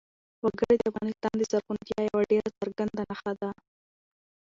وګړي د افغانستان د زرغونتیا یوه ډېره څرګنده نښه ده.